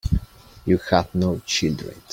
You have no children.